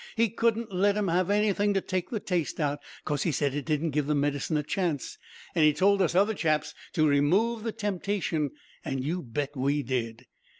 He wouldn't let 'em have anything to take the taste out, 'cos he said it didn't give the medicine a chance, an' he told us other chaps to remove the temptation, an' you bet we did.